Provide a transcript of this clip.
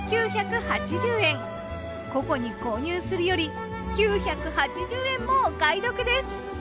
個々に購入するより９８０円もお買い得です。